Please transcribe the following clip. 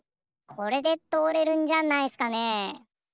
これでとおれるんじゃないっすかね。